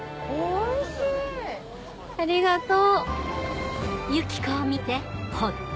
ありがとう。